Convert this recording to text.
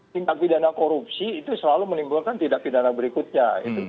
tingkat pidana korupsi itu selalu menimbulkan tidak pidana berikutnya